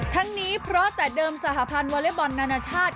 ทั้งนี้เพราะแต่เดิมสหพันธ์วอเล็กบอลนานาชาติ